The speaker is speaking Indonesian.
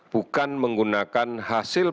bukan menggunakan hasilnya